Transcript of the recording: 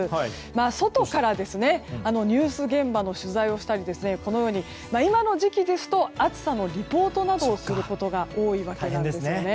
外からニュース現場の取材をしたりこのように今の時期ですと暑さのリポートなどをすることが多いわけですよね。